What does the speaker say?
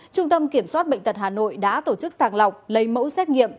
trung tâm kiểm soát bệnh tật hà nội đã tổ chức sàng lọc lấy mẫu xét nghiệm